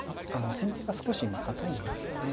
先手が少し今堅いんですよね。